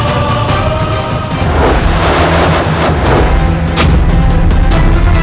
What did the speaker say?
untuk bisa pulih jadi